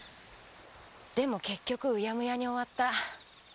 でも結局うやむやに終わった。